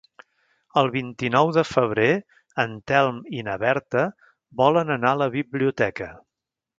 El vint-i-nou de febrer en Telm i na Berta volen anar a la biblioteca.